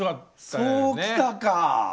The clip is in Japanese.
そうきたか。